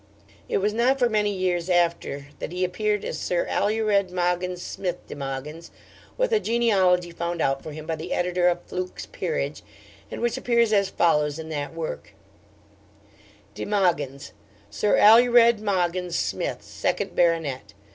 It was not for many years after that he appeared as Sir Alured Mogyns Smyth de Mogyns, with a genealogy found out for him by the Editor of 'Fluke's Peerage,' and which appears as follows in that work: 'De Mogyns. Sir Alured Mogyns Smyth, Second Baronet.